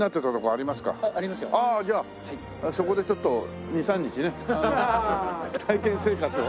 ああじゃあそこでちょっと２３日ね体験生活を。